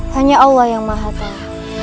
hanya allah yang maha kalah